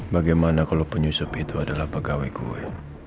bagaimana kalo penyusup itu adalah pegawai gue